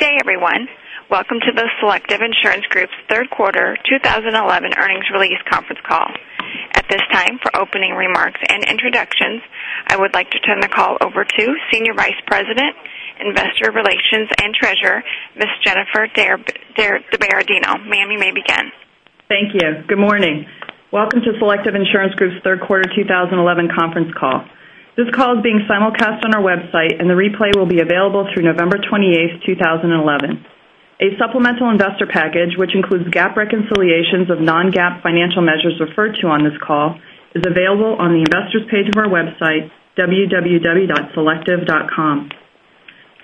Good day, everyone. Welcome to the Selective Insurance Group's third quarter 2011 earnings release conference call. At this time, for opening remarks and introductions, I would like to turn the call over to Senior Vice President, Investor Relations and Treasurer, Ms. Jennifer DiBerardino. Ma'am, you may begin. Thank you. Good morning. Welcome to Selective Insurance Group's third quarter 2011 conference call. This call is being simulcast on our website, and the replay will be available through November 28th, 2011. A supplemental investor package, which includes GAAP reconciliations of non-GAAP financial measures referred to on this call, is available on the investor's page of our website, www.selective.com.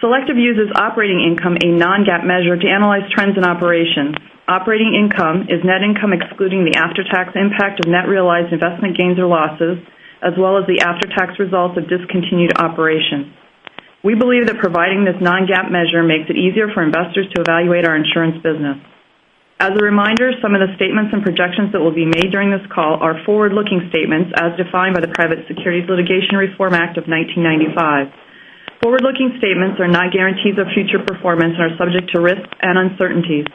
Selective uses operating income, a non-GAAP measure, to analyze trends in operations. Operating income is net income excluding the after-tax impact of net realized investment gains or losses, as well as the after-tax results of discontinued operations. We believe that providing this non-GAAP measure makes it easier for investors to evaluate our insurance business. As a reminder, some of the statements and projections that will be made during this call are forward-looking statements as defined by the Private Securities Litigation Reform Act of 1995. Forward-looking statements are not guarantees of future performance and are subject to risks and uncertainties.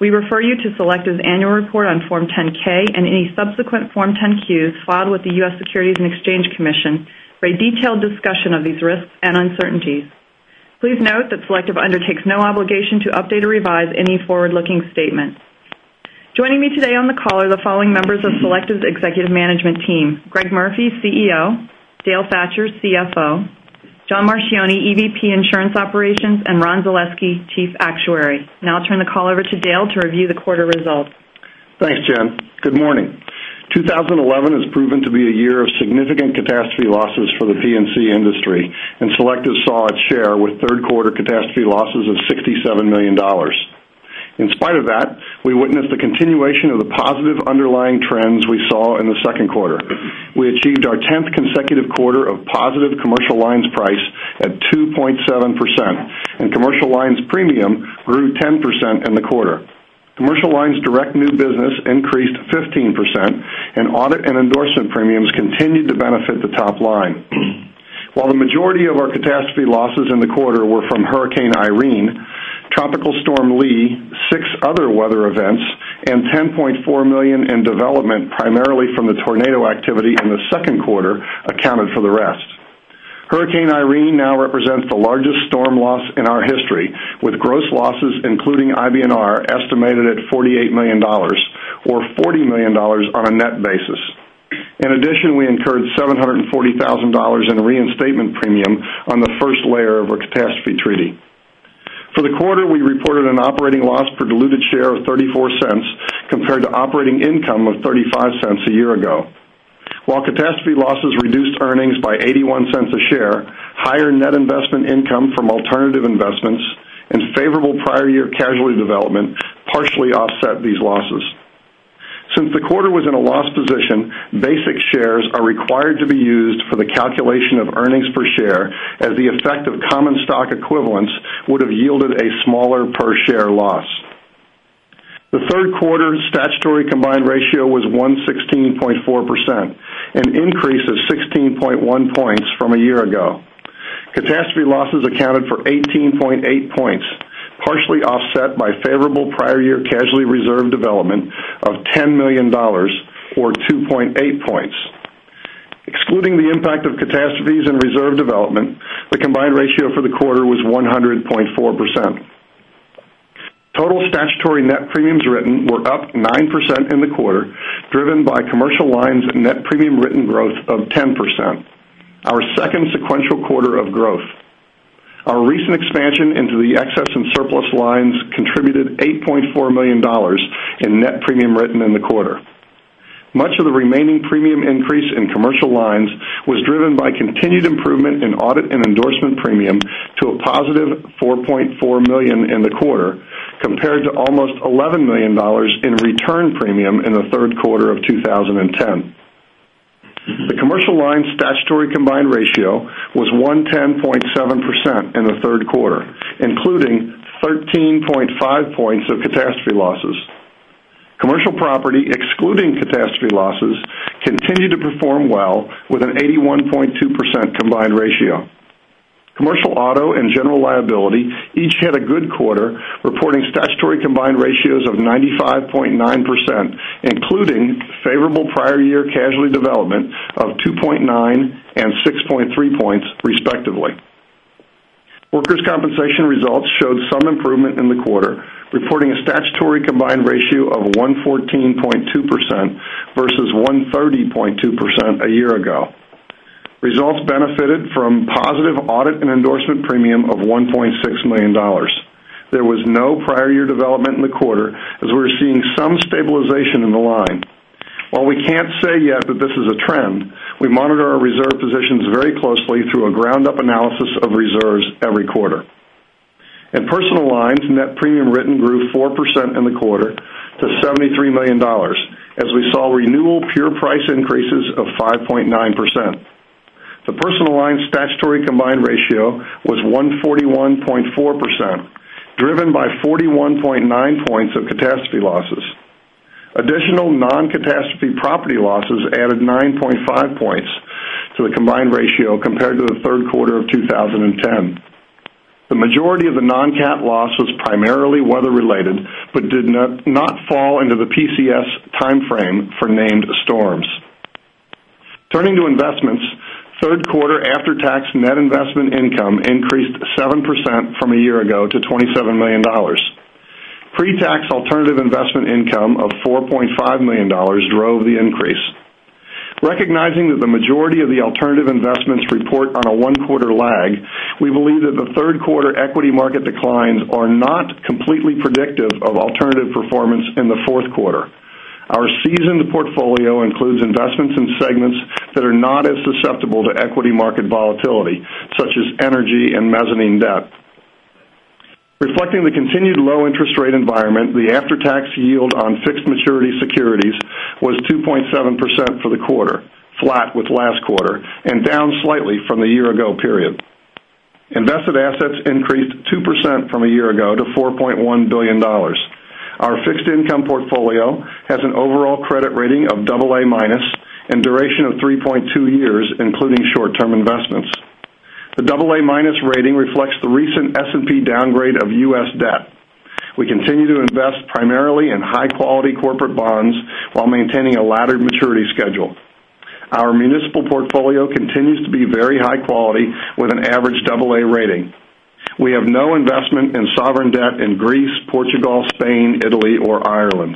We refer you to Selective's annual report on Form 10-K and any subsequent Form 10-Qs filed with the U.S. Securities and Exchange Commission for a detailed discussion of these risks and uncertainties. Please note that Selective undertakes no obligation to update or revise any forward-looking statements. Joining me today on the call are the following members of Selective's executive management team: Greg Murphy, CEO; Dale Thatcher, CFO; John Marchioni, EVP Insurance Operations; and Ron Zaleski, Chief Actuary. I'll turn the call over to Dale to review the quarter results. Thanks, Jen. Good morning. 2011 has proven to be a year of significant catastrophe losses for the P&C industry. Selective saw its share with third-quarter catastrophe losses of $67 million. In spite of that, we witnessed the continuation of the positive underlying trends we saw in the second quarter. We achieved our 10th consecutive quarter of positive commercial lines price at 2.7%. Commercial lines premium grew 10% in the quarter. Commercial lines direct new business increased 15%. Audit and endorsement premiums continued to benefit the top line. The majority of our catastrophe losses in the quarter were from Hurricane Irene, Tropical Storm Lee, six other weather events, and $10.4 million in development primarily from the tornado activity in the second quarter accounted for the rest. Hurricane Irene now represents the largest storm loss in our history, with gross losses, including IBNR, estimated at $48 million, or $40 million on a net basis. In addition, we incurred $740,000 in reinstatement premium on the first layer of our catastrophe treaty. For the quarter, we reported an operating loss per diluted share of $0.34 compared to operating income of $0.35 a year ago. While catastrophe losses reduced earnings by $0.81 a share, higher net investment income from alternative investments and favorable prior year casualty development partially offset these losses. Since the quarter was in a loss position, basic shares are required to be used for the calculation of earnings per share as the effect of common stock equivalents would have yielded a smaller per-share loss. The third quarter statutory combined ratio was 116.4%, an increase of 16.1 points from a year ago. Catastrophe losses accounted for 18.8 points, partially offset by favorable prior year casualty reserve development of $10 million, or 2.8 points. Excluding the impact of catastrophes and reserve development, the combined ratio for the quarter was 100.4%. Total statutory net premiums written were up 9% in the quarter, driven by Commercial Lines net premium written growth of 10%, our second sequential quarter of growth. Our recent expansion into the excess and surplus lines contributed $8.4 million in net premium written in the quarter. Much of the remaining premium increase in Commercial Lines was driven by continued improvement in audit and endorsement premium to a positive $4.4 million in the quarter, compared to almost $11 million in return premium in the third quarter of 2010. The Commercial Lines statutory combined ratio was 110.7% in the third quarter, including 13.5 points of catastrophe losses. Commercial Property, excluding catastrophe losses, continued to perform well with an 81.2% combined ratio. Commercial Auto and General Liability each had a good quarter, reporting statutory combined ratios of 95.9%, including favorable prior year casualty development of 2.9 and 6.3 points, respectively. Workers' Compensation results showed some improvement in the quarter, reporting a statutory combined ratio of 114.2% versus 130.2% a year ago. Results benefited from positive audit and endorsement premium of $1.6 million. There was no prior year development in the quarter as we're seeing some stabilization in the line. While we can't say yet that this is a trend, we monitor our reserve positions very closely through a ground-up analysis of reserves every quarter. In Personal Lines, net premium written grew 4% in the quarter to $73 million as we saw renewal pure price increases of 5.9%. The Personal Lines statutory combined ratio was 141.4%, driven by 41.9 points of catastrophe losses. Additional non-catastrophe property losses added 9.5 points to the combined ratio compared to the third quarter of 2010. The majority of the non-cat loss was primarily weather related, but did not fall into the PCS timeframe for named storms. Turning to investments, third quarter after-tax net investment income increased 7% from a year ago to $27 million. Pre-tax alternative investment income of $4.5 million drove the increase. Recognizing that the majority of the alternative investments report on a one-quarter lag, we believe that the third quarter equity market declines are not completely predictive of alternative performance in the fourth quarter. Our seasoned portfolio includes investments in segments that are not as susceptible to equity market volatility, such as energy and mezzanine debt. Reflecting the continued low interest rate environment, the after-tax yield on fixed maturity securities was 2.7% for the quarter, flat with last quarter, and down slightly from the year ago period. Invested assets increased 2% from a year ago to $4.1 billion. Our fixed income portfolio has an overall credit rating of double A minus and duration of 3.2 years, including short-term investments. The double A minus rating reflects the recent S&P downgrade of U.S. debt. We continue to invest primarily in high-quality corporate bonds while maintaining a laddered maturity schedule. Our municipal portfolio continues to be very high quality with an average double A rating. We have no investment in sovereign debt in Greece, Portugal, Spain, Italy, or Ireland.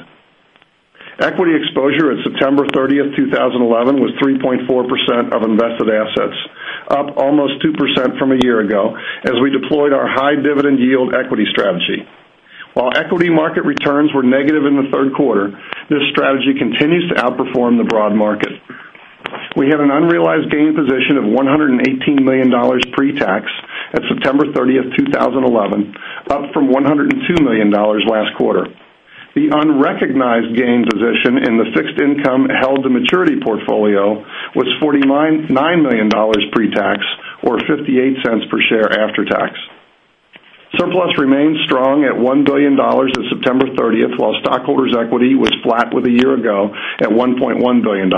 Equity exposure at September 30th, 2011, was 3.4% of invested assets, up almost 2% from a year ago as we deployed our high dividend yield equity strategy. While equity market returns were negative in the third quarter, this strategy continues to outperform the broad market. We have an unrealized gain position of $118 million pre-tax at September 30th, 2011, up from $102 million last quarter. The unrecognized gain position in the fixed income held to maturity portfolio was $49 million pre-tax, or $0.58 per share after tax. Surplus remains strong at $1 billion as of September 30th, while stockholders' equity was flat with a year ago at $1.1 billion.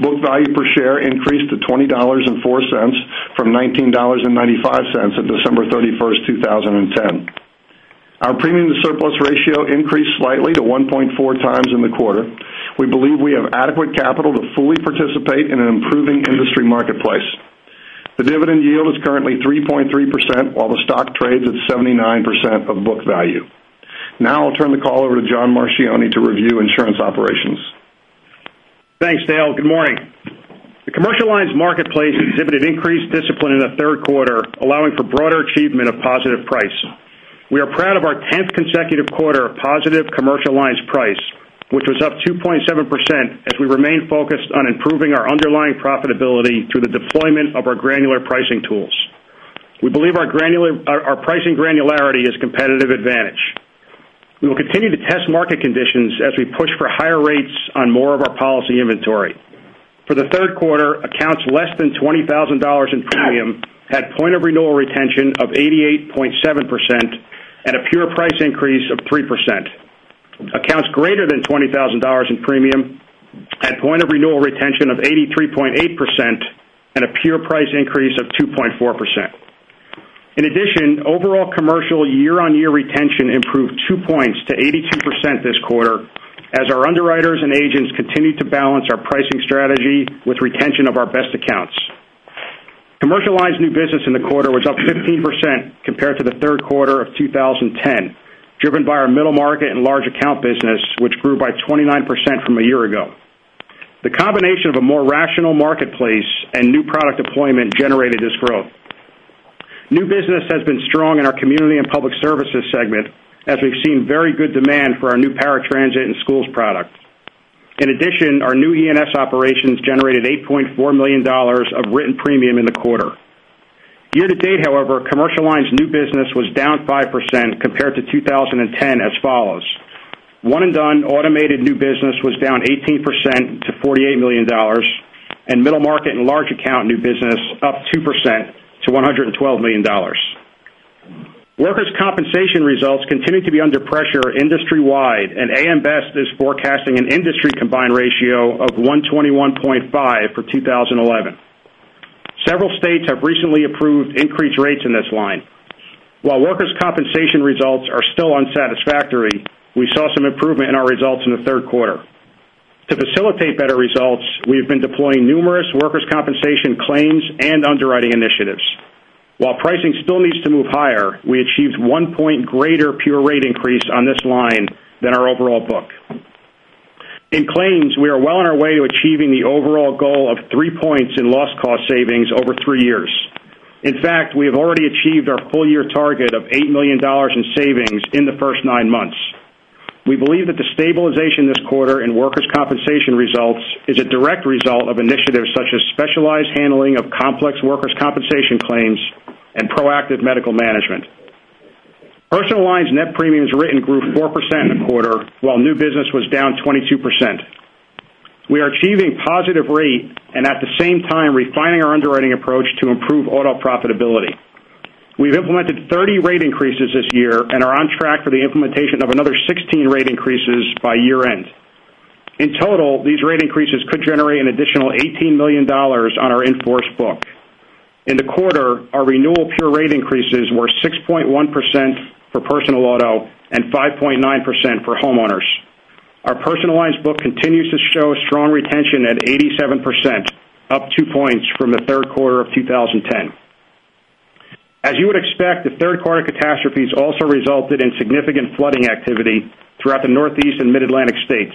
Book value per share increased to $20.04 from $19.95 at December 31st, 2010. Our premium to surplus ratio increased slightly to 1.4 times in the quarter. We believe we have adequate capital to fully participate in an improving industry marketplace. The dividend yield is currently 3.3%, while the stock trades at 79% of book value. I'll turn the call over to John Marchioni to review insurance operations. Thanks, Dale. Good morning. The commercial lines marketplace exhibited increased discipline in the third quarter, allowing for broader achievement of positive price. We are proud of our 10th consecutive quarter of positive commercial lines price, which was up 2.7% as we remain focused on improving our underlying profitability through the deployment of our granular pricing tools. We believe our pricing granularity is a competitive advantage. We will continue to test market conditions as we push for higher rates on more of our policy inventory. For the third quarter, accounts less than $20,000 in premium had point of renewal retention of 88.7% and a pure price increase of 3%. Accounts greater than $20,000 in premium had point of renewal retention of 83.8% and a pure price increase of 2.4%. In addition, overall commercial year-on-year retention improved two points to 82% this quarter as our underwriters and agents continued to balance our pricing strategy with retention of our best accounts. Commercial lines new business in the quarter was up 15% compared to the third quarter of 2010, driven by our middle market and large account business, which grew by 29% from a year ago. The combination of a more rational marketplace and new product deployment generated this growth. New business has been strong in our Community and Public Services segment, as we've seen very good demand for our new paratransit and schools product. In addition, our new E&S operations generated $8.4 million of written premium in the quarter. Year to date, however, commercial lines new business was down 5% compared to 2010 as follows: one and done automated new business was down 18% to $48 million, and middle market and large account new business up 2% to $112 million. Workers' Compensation results continue to be under pressure industry-wide, and AM Best is forecasting an industry combined ratio of 121.5 for 2011. Several states have recently approved increased rates in this line. While Workers' Compensation results are still unsatisfactory, we saw some improvement in our results in the third quarter. To facilitate better results, we have been deploying numerous Workers' Compensation claims and underwriting initiatives. While pricing still needs to move higher, we achieved one point greater pure rate increase on this line than our overall book. In claims, we are well on our way to achieving the overall goal of three points in loss cost savings over three years. In fact, we have already achieved our full year target of $8 million in savings in the first nine months. We believe that the stabilization this quarter in Workers' Compensation results is a direct result of initiatives such as specialized handling of complex Workers' Compensation claims and proactive medical management. Personal Lines net premiums written grew 4% in the quarter, while new business was down 22%. We are achieving positive rate and at the same time refining our underwriting approach to improve auto profitability. We've implemented 30 rate increases this year and are on track for the implementation of another 16 rate increases by year-end. In total, these rate increases could generate an additional $18 million on our in-force book. In the quarter, our renewal pure rate increases were 6.1% for personal auto and 5.9% for homeowners. Our Personal Lines book continues to show strong retention at 87%, up two points from the third quarter of 2010. As you would expect, the third quarter catastrophes also resulted in significant flooding activity throughout the Northeast and Mid-Atlantic states.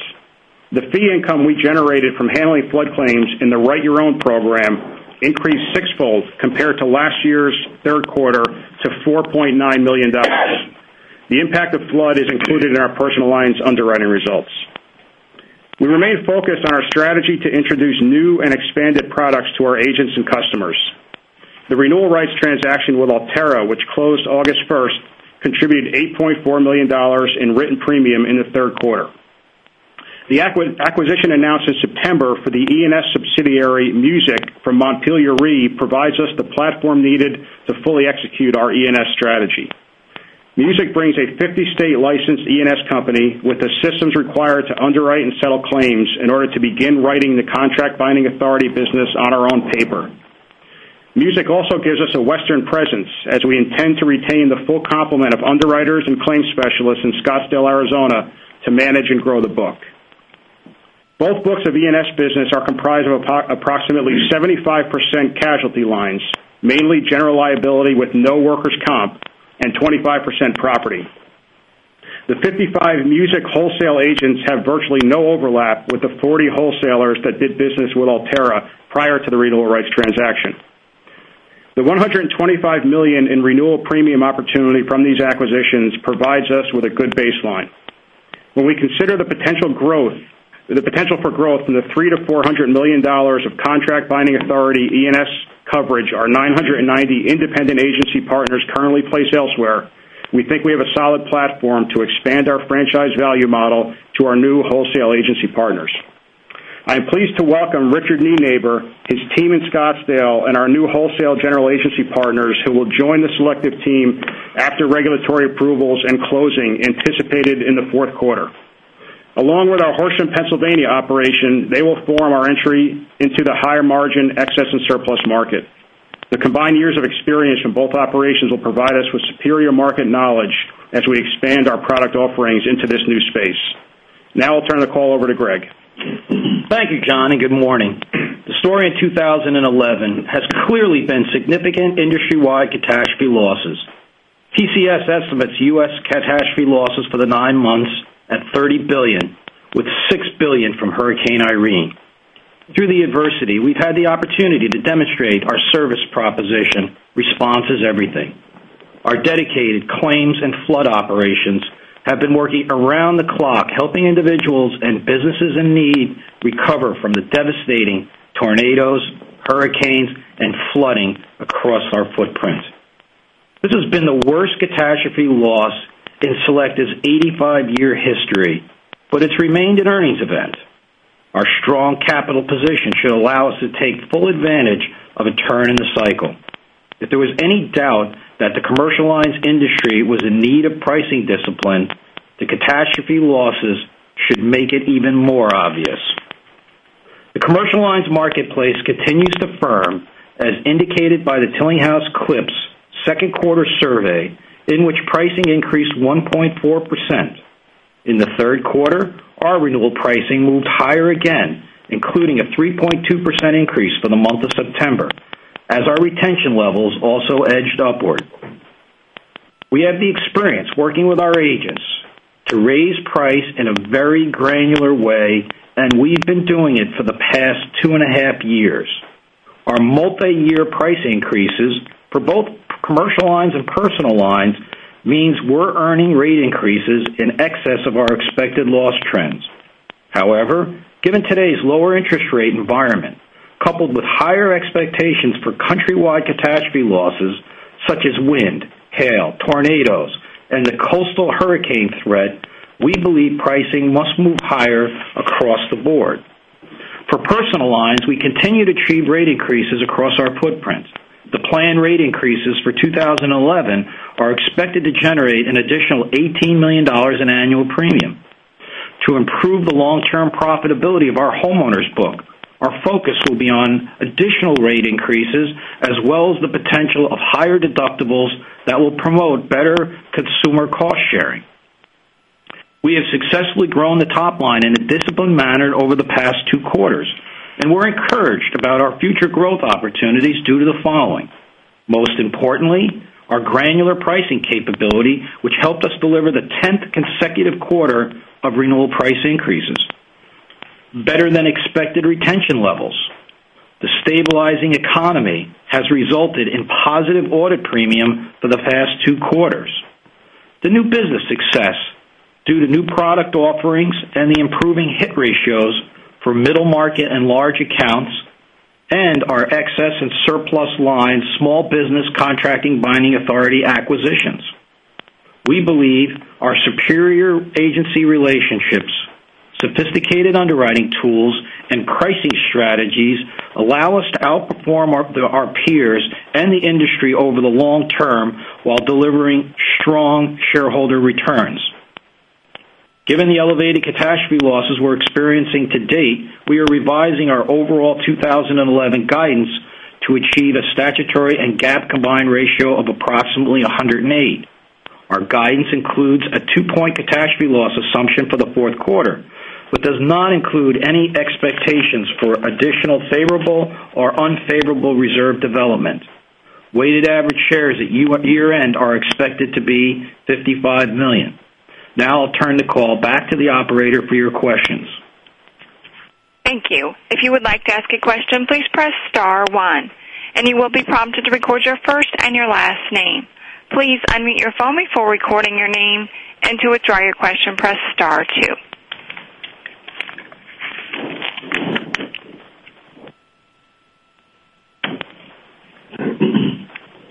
The fee income we generated from handling flood claims in the Write Your Own program increased sixfold compared to last year's third quarter to $4.9 million. The impact of flood is included in our Personal Lines underwriting results. We remain focused on our strategy to introduce new and expanded products to our agents and customers. The renewal rights transaction with Alterra, which closed August 1st, contributed $8.4 million in written premium in the third quarter. The acquisition announced in September for the E&S subsidiary, Music, from Montpelier Re, provides us the platform needed to fully execute our E&S strategy. Music brings a 50-state licensed E&S company with the systems required to underwrite and settle claims in order to begin writing the contract binding authority business on our own paper. Music also gives us a Western presence as we intend to retain the full complement of underwriters and claims specialists in Scottsdale, Arizona, to manage and grow the book. Both books of E&S business are comprised of approximately 75% casualty lines, mainly General Liability with no workers' comp, and 25% property. The 55 Music wholesale agents have virtually no overlap with the 40 wholesalers that did business with Alterra prior to the renewal rights transaction. The $125 million in renewal premium opportunity from these acquisitions provides us with a good baseline. We consider the potential for growth in the $300 million-$400 million of contract binding authority E&S coverage our 990 independent agency partners currently place elsewhere, we think we have a solid platform to expand our franchise value model to our new wholesale agency partners. I am pleased to welcome Richard Nenaber, his team in Scottsdale, and our new wholesale general agency partners who will join the Selective team after regulatory approvals and closing anticipated in the fourth quarter. Along with our Horsham, Pennsylvania, operation, they will form our entry into the higher margin excess and surplus market. The combined years of experience from both operations will provide us with superior market knowledge as we expand our product offerings into this new space. I'll turn the call over to Greg. Thank you, John. Good morning. The story in 2011 has clearly been significant industry-wide catastrophe losses. PCS estimates U.S. catastrophe losses for the nine months at $30 billion, with $6 billion from Hurricane Irene. Through the adversity, we've had the opportunity to demonstrate our service proposition, response is everything. Our dedicated claims and flood operations have been working around the clock helping individuals and businesses in need recover from the devastating tornadoes, hurricanes, and flooding across our footprint. This has been the worst catastrophe loss in Selective's 85-year history, but it's remained an earnings event. Our strong capital position should allow us to take full advantage of a turn in the cycle. If there was any doubt that the commercial lines industry was in need of pricing discipline, the catastrophe losses should make it even more obvious. The commercial lines marketplace continues to firm as indicated by the Tillinghast/CLIPS second quarter survey, in which pricing increased 1.4%. The third quarter, our renewal pricing moved higher again, including a 3.2% increase for the month of September, as our retention levels also edged upward. We have the experience working with our agents to raise price in a very granular way, and we've been doing it for the past two and a half years. Our multi-year price increases for both commercial lines and Personal Lines means we're earning rate increases in excess of our expected loss trends. Given today's lower interest rate environment, coupled with higher expectations for countrywide catastrophe losses such as wind, hail, tornadoes, and the coastal hurricane threat, we believe pricing must move higher across the board. For Personal Lines, we continue to achieve rate increases across our footprint. The planned rate increases for 2011 are expected to generate an additional $18 million in annual premium. To improve the long-term profitability of our homeowners book, our focus will be on additional rate increases as well as the potential of higher deductibles that will promote better consumer cost-sharing. We have successfully grown the top line in a disciplined manner over the past two quarters, and we're encouraged about our future growth opportunities due to the following. Most importantly, our granular pricing capability, which helped us deliver the 10th consecutive quarter of renewal price increases. Better than expected retention levels. The stabilizing economy has resulted in positive audit premium for the past two quarters. The new business success due to new product offerings and the improving hit ratios for middle market and large accounts and our excess and surplus lines small business contracting binding authority acquisitions. We believe our superior agency relationships, sophisticated underwriting tools, and pricing strategies allow us to outperform our peers and the industry over the long term while delivering strong shareholder returns. Given the elevated catastrophe losses we're experiencing to date, we are revising our overall 2011 guidance to achieve a statutory and GAAP combined ratio of approximately 108. Our guidance includes a two-point catastrophe loss assumption for the fourth quarter, but does not include any expectations for additional favorable or unfavorable reserve development. Weighted average shares at year-end are expected to be 55 million. Now I'll turn the call back to the operator for your questions. Thank you. If you would like to ask a question, please press star one and you will be prompted to record your first and your last name. Please unmute your phone before recording your name and to withdraw your question, press star two.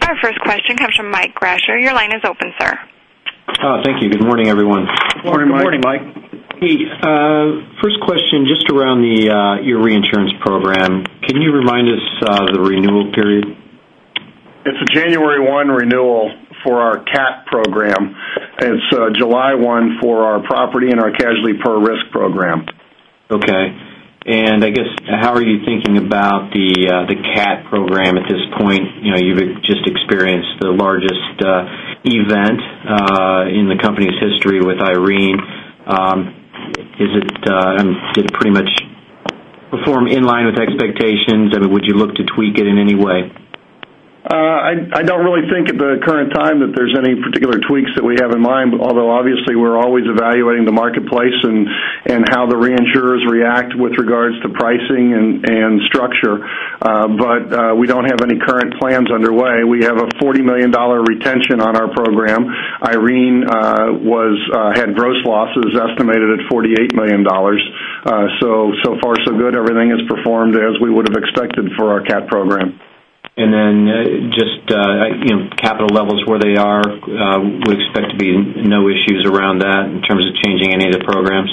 Our first question comes from Michael Grasher. Your line is open, sir. Thank you. Good morning, everyone. Good morning, Mike. Hey, first question, just around your reinsurance program. Can you remind us of the renewal period? It's a January 1 renewal for our cat program. It's July 1 for our property and our casualty per risk program. Okay. I guess, how are you thinking about the cat program at this point? You've just experienced the largest event in the company's history with Irene. Did it pretty much perform in line with expectations? I mean, would you look to tweak it in any way? I don't really think at the current time that there's any particular tweaks that we have in mind, although obviously we're always evaluating the marketplace and how the reinsurers react with regards to pricing and structure. We don't have any current plans underway. We have a $40 million retention on our program. Irene had gross losses estimated at $48 million. So far, so good. Everything has performed as we would've expected for our cat program. Just capital levels where they are, we expect to be no issues around that in terms of changing any of the programs?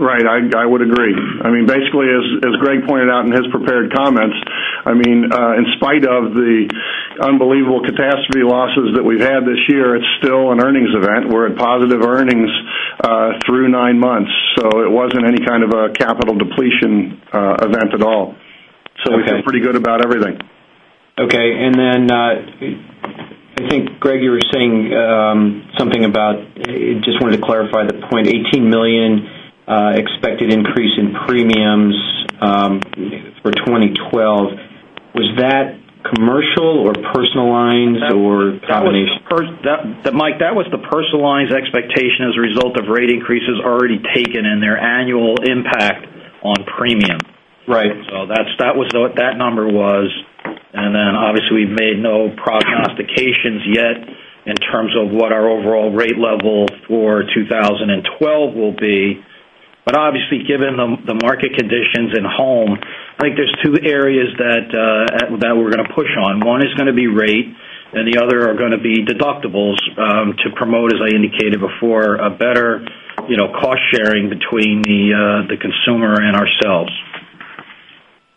Right. I would agree. As Greg pointed out in his prepared comments, in spite of the unbelievable catastrophe losses that we've had this year, it's still an earnings event. We're at positive earnings through nine months, it wasn't any kind of a capital depletion event at all. Okay. We feel pretty good about everything. Okay. I think, Greg, you were saying something about, just wanted to clarify the point, $18 million expected increase in premiums for 2012. Was that Commercial or Personal Lines or a combination? Mike, that was the Personal Lines expectation as a result of rate increases already taken and their annual impact on premium. Right. That's what that number was, obviously, we've made no prognostications yet in terms of what our overall rate level for 2012 will be. Obviously, given the market conditions in Home, I think there's two areas that we're going to push on. One is going to be rate, and the other are going to be deductibles to promote, as I indicated before, a better cost-sharing between the consumer and ourselves.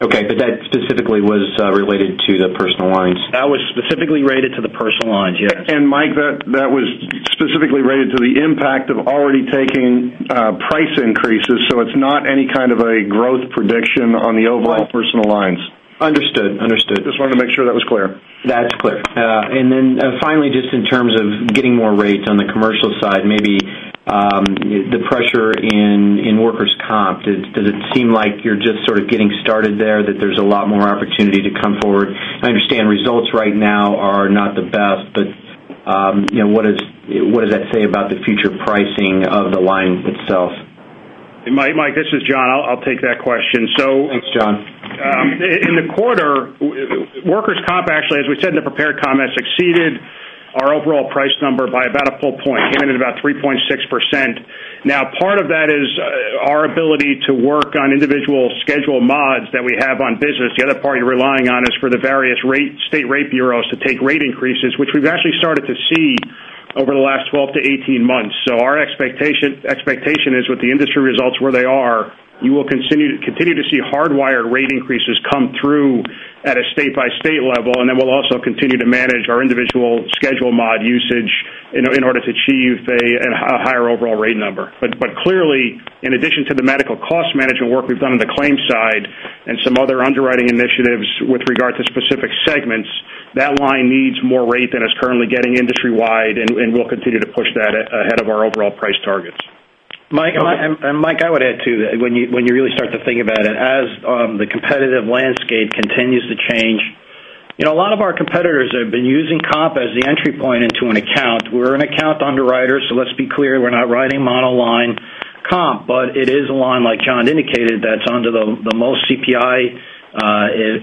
Okay. That specifically was related to the Personal Lines. That was specifically related to the Personal Lines, yes. Mike, that was specifically related to the impact of already taking price increases, it's not any kind of a growth prediction on the overall Personal Lines. Understood. Understood. Just wanted to make sure that was clear. Finally, just in terms of getting more rates on the commercial side, maybe the pressure in workers' comp, does it seem like you're just sort of getting started there, that there's a lot more opportunity to come forward? I understand results right now are not the best, what does that say about the future pricing of the line itself? Mike, this is John. I'll take that question. Thanks, John. In the quarter, workers' comp, actually, as we said in the prepared comments, exceeded our overall price number by about a full point, came in at about 3.6%. Part of that is our ability to work on individual schedule mods that we have on business. The other part you're relying on is for the various state rate bureaus to take rate increases, which we've actually started to see over the last 12 to 18 months. Our expectation is with the industry results where they are, you will continue to see hardwired rate increases come through at a state-by-state level, and then we'll also continue to manage our individual schedule mod usage in order to achieve a higher overall rate number. Clearly, in addition to the medical cost management work we've done on the claims side and some other underwriting initiatives with regard to specific segments, that line needs more rate than is currently getting industry-wide, and we'll continue to push that ahead of our overall price targets. Mike, I would add to that, when you really start to think about it, as the competitive landscape continues to change, a lot of our competitors have been using comp as the entry point into an account. We're an account underwriter, let's be clear, we're not writing monoline comp, but it is a line, like John indicated, that's under the most CPI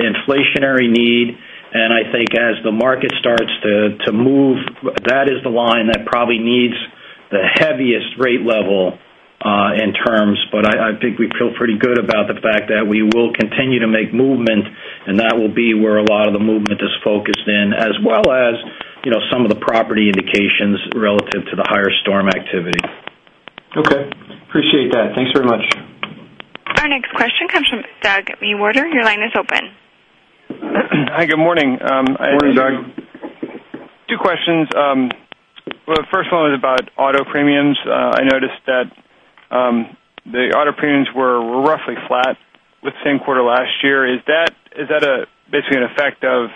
inflationary need, I think as the market starts to move, that is the line that probably needs the heaviest rate level In terms, I think we feel pretty good about the fact that we will continue to make movement, that will be where a lot of the movement is focused in, as well as some of the property indications relative to the higher storm activity. Okay. Appreciate that. Thanks very much. Our next question comes from Douglas Mewhirter. Your line is open. Hi, good morning. Good morning, Doug. Two questions. Well, the first one was about auto premiums. I noticed that the auto premiums were roughly flat with the same quarter last year. Is that basically an effect of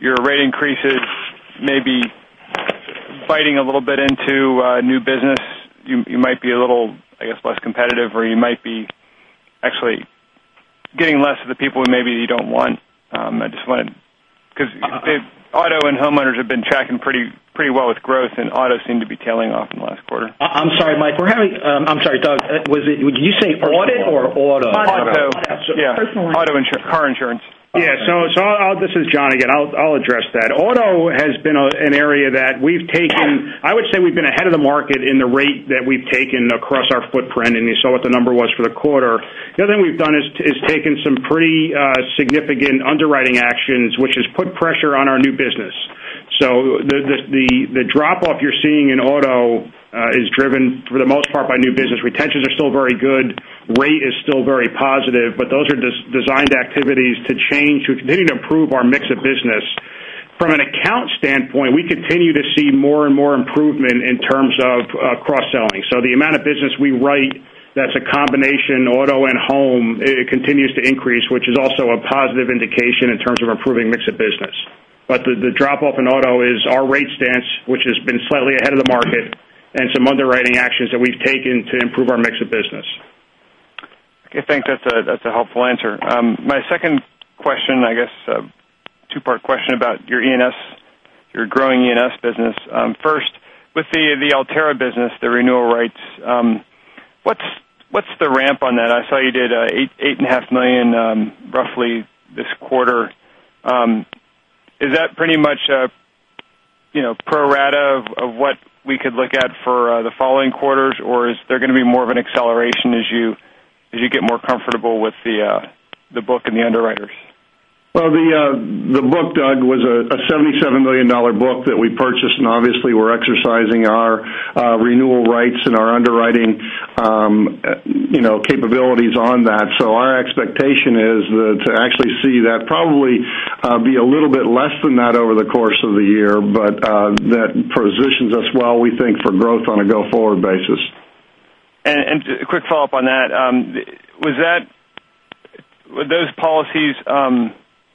your rate increases maybe biting a little bit into new business? You might be a little, I guess, less competitive, or you might be actually getting less of the people who maybe you don't want. I just wanted, because auto and homeowners have been tracking pretty well with growth, and auto seemed to be tailing off in the last quarter. I'm sorry, Mike. I'm sorry, Doug. Did you say audit or auto? Auto. Auto. Yeah. Auto insurance, car insurance. Yeah. This is John again. I'll address that. Auto has been an area that we've taken, I would say we've been ahead of the market in the rate that we've taken across our footprint, and you saw what the number was for the quarter. The other thing we've done is taken some pretty significant underwriting actions, which has put pressure on our new business. The drop-off you're seeing in auto is driven, for the most part, by new business. Retentions are still very good. Rate is still very positive. Those are designed activities to change. We continue to improve our mix of business. From an account standpoint, we continue to see more and more improvement in terms of cross-selling. The amount of business we write that's a combination auto and home, it continues to increase, which is also a positive indication in terms of improving mix of business. The drop-off in auto is our rate stance, which has been slightly ahead of the market, and some underwriting actions that we've taken to improve our mix of business. Okay, thanks. That is a helpful answer. My second question, I guess, a two-part question about your growing E&S business. First, with the Alterra business, the renewal rates, what is the ramp on that? I saw you did eight and a half million roughly this quarter. Is that pretty much pro rata of what we could look at for the following quarters, or is there going to be more of an acceleration as you get more comfortable with the book and the underwriters? Well, the book, Doug, was a $77 million book that we purchased, and obviously, we are exercising our renewal rights and our underwriting capabilities on that. Our expectation is to actually see that probably be a little bit less than that over the course of the year. That positions us well, we think, for growth on a go-forward basis. A quick follow-up on that. Would those policies,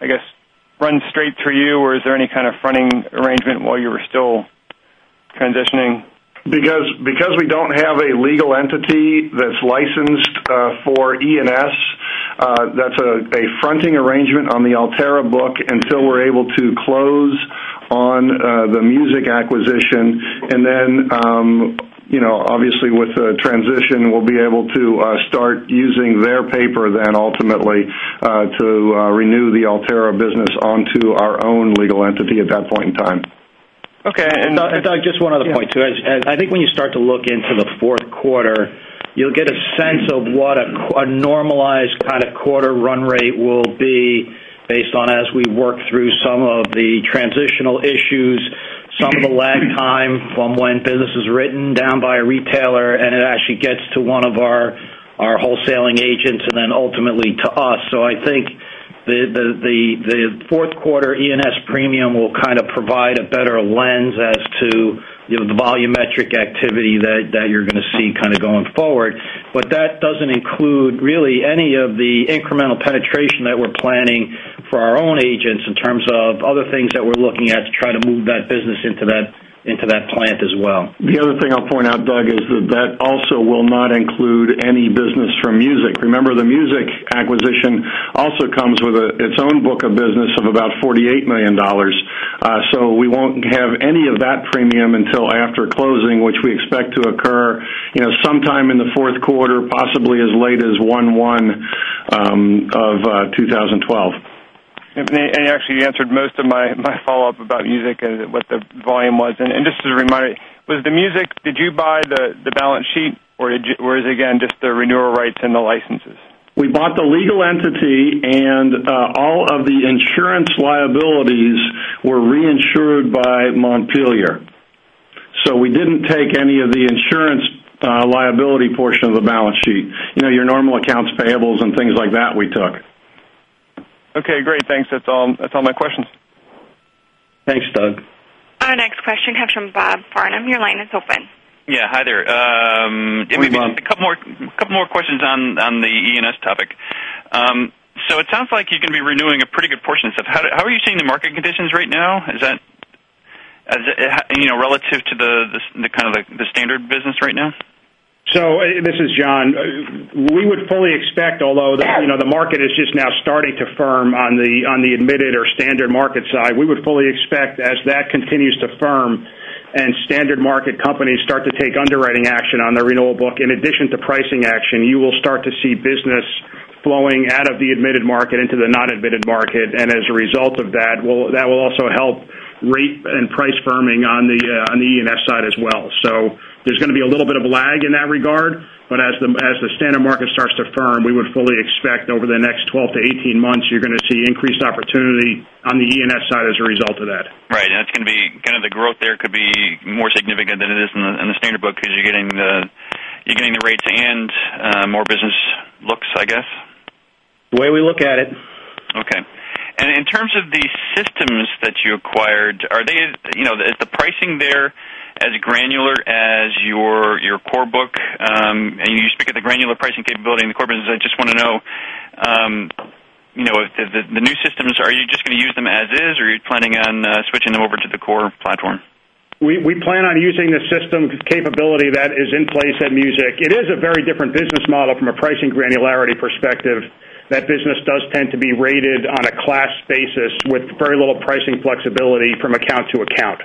I guess, run straight through you, or is there any kind of fronting arrangement while you were still transitioning? Because we do not have a legal entity that is licensed for E&S, that is a fronting arrangement on the Alterra book until we are able to close on the Montpelier acquisition. Then, obviously, with the transition, we will be able to start using their paper then ultimately to renew the Alterra business onto our own legal entity at that point in time. Okay. Doug, just one other point, too. I think when you start to look into the fourth quarter, you'll get a sense of what a normalized kind of quarter run rate will be based on as we work through some of the transitional issues, some of the lag time from when business is written down by a retailer, and it actually gets to one of our wholesaling agents and then ultimately to us. I think the fourth quarter E&S premium will kind of provide a better lens as to the volumetric activity that you're going to see going forward. That doesn't include really any of the incremental penetration that we're planning for our own agents in terms of other things that we're looking at to try to move that business into that plant as well. The other thing I'll point out, Doug, is that also will not include any business from Montpelier. Remember, the Montpelier acquisition also comes with its own book of business of about $48 million. We won't have any of that premium until after closing, which we expect to occur sometime in the fourth quarter, possibly as late as 1/1/2012. You actually answered most of my follow-up about Montpelier and what the volume was. Just as a reminder, with the Montpelier, did you buy the balance sheet, or is it again, just the renewal rights and the licenses? We bought the legal entity. All of the insurance liabilities were reinsured by Montpelier. We didn't take any of the insurance liability portion of the balance sheet. Your normal accounts payables and things like that, we took. Okay, great. Thanks. That's all my questions. Thanks, Doug. Our next question comes from Bob Farnam. Your line is open. Yeah, hi there. Good evening. It sounds like you're going to be renewing a pretty good portion stuff. How are you seeing the market conditions right now? Relative to the kind of the standard business right now? This is John. We would fully expect, although the market is just now starting to firm on the admitted or standard market side. We would fully expect as that continues to firm and standard market companies start to take underwriting action on their renewable book, in addition to pricing action, you will start to see business flowing out of the admitted market into the non-admitted market, and as a result of that will also help rate and price firming on the E&S side as well. There's going to be a little bit of lag in that regard, but as the standard market starts to firm, we would fully expect over the next 12 to 18 months, you're going to see increased opportunity on the E&S side as a result of that. That's going to be kind of the growth there could be more significant than it is in the standard book because you're getting the rates and more business looks, I guess. The way we look at it. Okay. In terms of the systems that you acquired, is the pricing there as granular as your core book? You speak of the granular pricing capability in the core business. I just want to know, the new systems, are you just going to use them as is, or are you planning on switching them over to the core platform? We plan on using the system capability that is in place at Montpelier. It is a very different business model from a pricing granularity perspective. That business does tend to be rated on a class basis with very little pricing flexibility from account to account.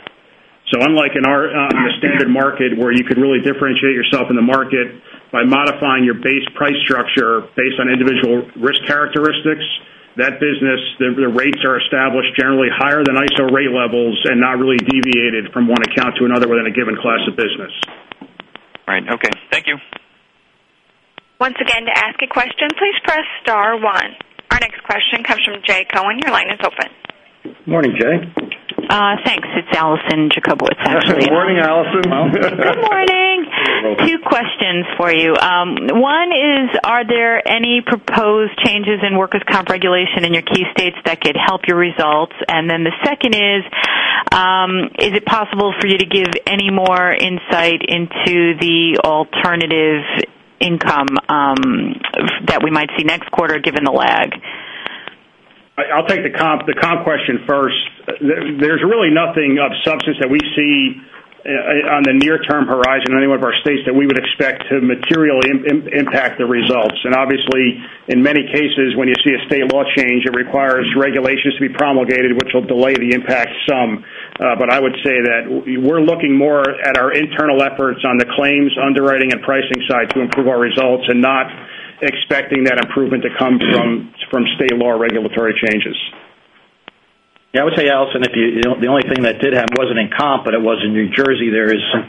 Unlike in the standard market where you could really differentiate yourself in the market by modifying your base price structure based on individual risk characteristics, that business, the rates are established generally higher than ISO rate levels and not really deviated from one account to another within a given class of business. Right. Okay. Thank you. Once again, to ask a question, please press star one. Our next question comes from Jay Cohen. Your line is open. Morning, Jay. Thanks. It's Alison Jacobowitz, actually. Morning, Alison. Good morning. Two questions for you. One is, are there any proposed changes in workers' comp regulation in your key states that could help your results? The second is it possible for you to give any more insight into the alternative income that we might see next quarter given the lag? I'll take the comp question first. There's really nothing of substance that we see on the near-term horizon in any one of our states that we would expect to materially impact the results. Obviously, in many cases, when you see a state law change, it requires regulations to be promulgated, which will delay the impact some. I would say that we're looking more at our internal efforts on the claims underwriting and pricing side to improve our results and not expecting that improvement to come from state law regulatory changes. Yeah, I would say, Alison, the only thing that did happen wasn't in comp, but it was in New Jersey. There is some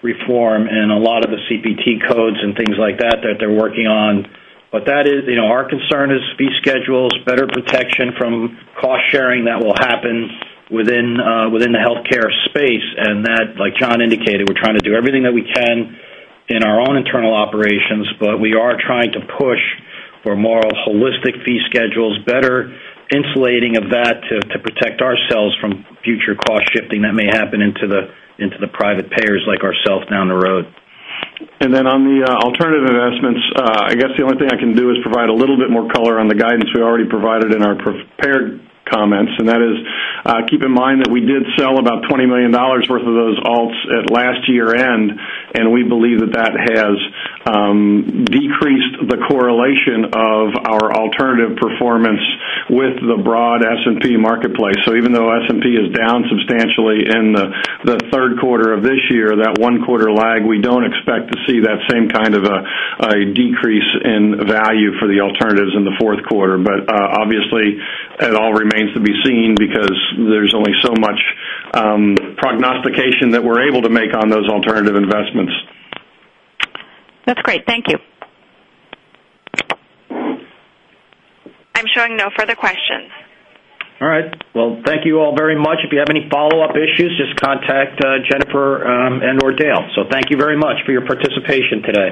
reform and a lot of the CPT codes and things like that they're working on. Our concern is fee schedules, better protection from cost sharing that will happen within the healthcare space, that, like John indicated, we're trying to do everything that we can in our own internal operations, we are trying to push for more holistic fee schedules, better insulating of that to protect ourselves from future cost shifting that may happen into the private payers like ourselves down the road. On the alternative investments, I guess the only thing I can do is provide a little bit more color on the guidance we already provided in our prepared comments, and that is, keep in mind that we did sell about $20 million worth of those alts at last year-end, and we believe that that has decreased the correlation of our alternative performance with the broad S&P marketplace. Even though S&P is down substantially in the third quarter of this year, that one quarter lag, we don't expect to see that same kind of a decrease in value for the alternatives in the fourth quarter. Obviously, it all remains to be seen because there's only so much prognostication that we're able to make on those alternative investments. That's great. Thank you. I'm showing no further questions. All right. Well, thank you all very much. If you have any follow-up issues, just contact Jennifer and/or Dale. Thank you very much for your participation today.